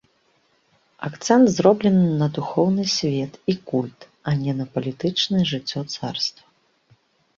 Акцэнт зроблены на духоўны свет і культ, а не на палітычнае жыццё царства.